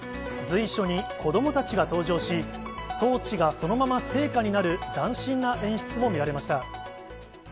随所に子どもたちが登場し、トーチがそのまま聖火になる斬新な演出も見られました。